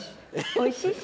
おいしいし。